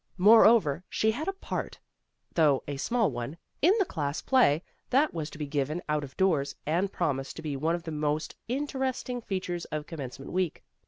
Moreover she had a part, though a small one, in the class play that was to be given out of doors and promised to be one of the most interesting features of commencement week.